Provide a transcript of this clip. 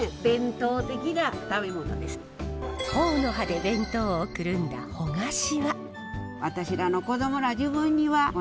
朴の葉で弁当をくるんだほがしわ。